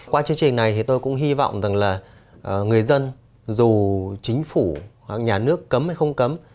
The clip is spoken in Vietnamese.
qua chương trình này thì tôi cũng hy vọng rằng là người dân dù chính phủ hoặc nhà nước cấm hay không cấm